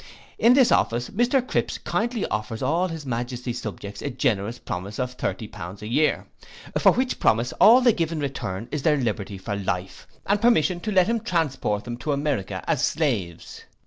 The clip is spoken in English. In this office Mr Cripse kindly offers all his majesty's subjects a generous promise of 30 pounds a year, for which promise all they give in return is their liberty for life, and permission to let him transport them to America as slaves.